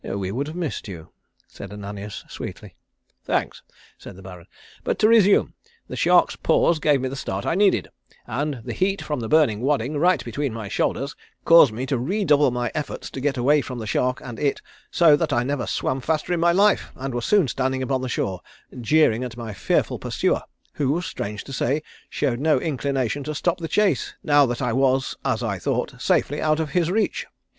"We should have missed you," said Ananias sweetly. "Thanks," said the Baron. "But to resume. The shark's pause gave me the start I needed, and the heat from the burning wadding right between my shoulders caused me to redouble my efforts to get away from the shark and it, so that I never swam faster in my life, and was soon standing upon the shore, jeering at my fearful pursuer, who, strange to say, showed no inclination to stop the chase now that I was, as I thought, safely out of his reach.